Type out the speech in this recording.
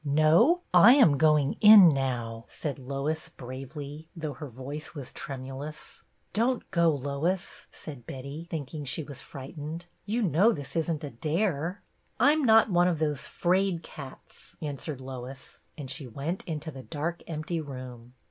"No, I am going in now," said Lois, bravely, though her voice was tremulous. " Don't go, Lois," said Betty, thinking she was frightened. "You know this isn't a dare." " I 'm not one of those 'fraid cats," an swered Lois, and went into the dark empty room.